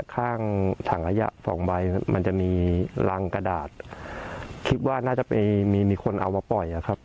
ข้างถังขยะสองใบมันจะมีรังกระดาษคิดว่าน่าจะไปมีมีคนเอามาปล่อยอ่ะครับ